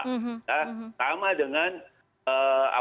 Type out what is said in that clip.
ini sama sebenarnya dengan bursa efek indonesia